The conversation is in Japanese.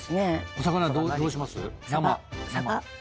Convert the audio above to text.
お魚どうします？